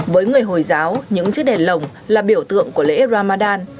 với người hồi giáo những chiếc đèn lồng là biểu tượng của lễ ramadan